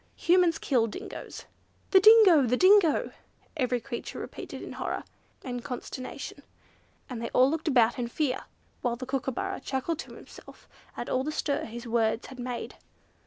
"Humans kill Dingoes." "The Dingo! The Dingo!" every creature repeated in horror and consternation; and they all looked about in fear, while the Kookooburra chuckled to himself at all the stir his words had made.